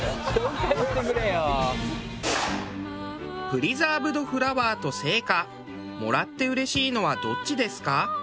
プリザーブドフラワーと生花もらってうれしいのはどっちですか？